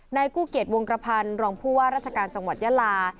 กู้เกียจวงกระพันธ์รองผู้ว่าราชการจังหวัดยาลา